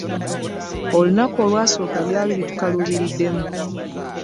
Olunaku olwasooka byali bitukaluubiriddemu.